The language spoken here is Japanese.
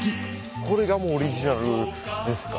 これがもうオリジナルですか？